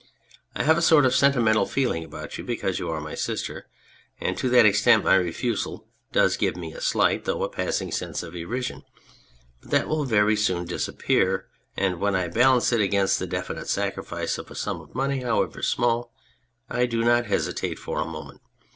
I have a sort of sentimental feeling about you, because you are my sister, and to that extent my refusal does give me a slight, though a passing sense of irrision. But that will veiy soon disappear, and when I balance it against the definite sacrifice of a sum of money, however small, I do not hesitate for a moment.